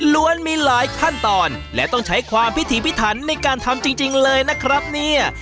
มีหลายขั้นตอนและต้องใช้ความพิถีพิถันในการทำจริงเลยนะครับเนี่ย